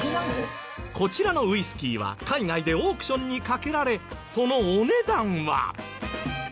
こちらのウイスキーは海外でオークションにかけられそのお値段は。